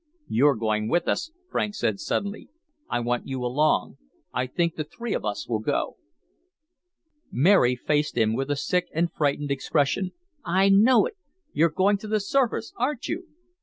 "You're going with us," Franks said suddenly. "I want you along. I think the three of us will go." Mary faced him with a sick and frightened expression. "I know it. You're going to the surface. Aren't you?"